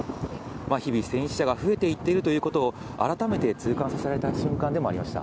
日々、戦死者が増えていっているということを、改めて痛感させられた瞬間でもありました。